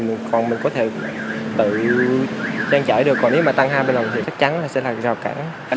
tăng mà tăng ít thì còn mình có thể tự trang trở được còn nếu mà tăng hai mươi lần thì chắc chắn là sẽ là rào cản